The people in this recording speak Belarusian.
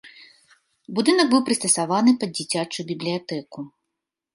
Будынак быў прыстасаваны пад дзіцячую бібліятэку.